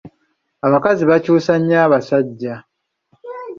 Abakazi bakyusa nnyo abasajja.